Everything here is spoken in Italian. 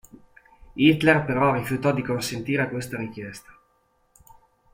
Hitler, però, rifiutò di acconsentire a questa richiesta.